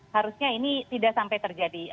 harusnya ini tidak sampai terjadi